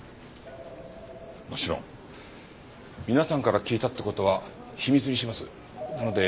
もちろん皆さんから聞いたって事は秘密にしますなので。